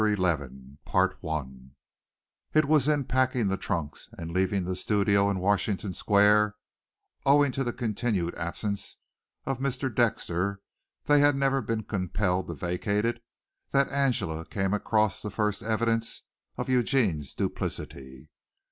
CHAPTER XI It was in packing the trunks and leaving the studio in Washington Square (owing to the continued absence of Mr. Dexter they had never been compelled to vacate it) that Angela came across the first evidence of Eugene's duplicity.